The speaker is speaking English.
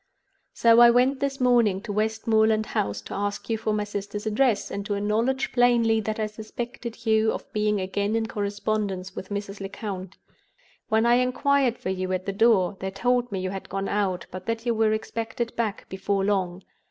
"So I went this morning to Westmoreland House to ask you for my sister's address, and to acknowledge plainly that I suspected you of being again in correspondence with Mrs. Lecount. "When I inquired for you at the door, they told me you had gone out, but that you were expected back before long.